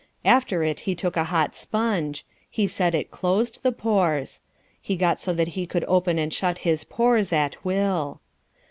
After it he took a hot sponge. He said it closed the pores. He got so that he could open and shut his pores at will.